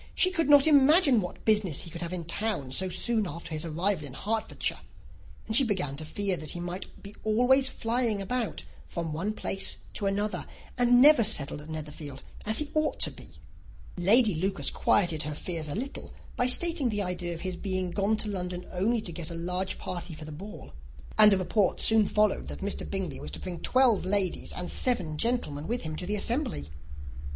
She could not imagine what business he could have in town so soon after his arrival in Hertfordshire; and she began to fear that he might always be flying about from one place to another, and never settled at Netherfield as he ought to be. Lady Lucas quieted her fears a little by starting the idea of his [Illustration: "When the Party entered" [Copyright 1894 by George Allen.]] being gone to London only to get a large party for the ball; and a report soon followed that Mr. Bingley was to bring twelve ladies and seven gentlemen with him to the assembly.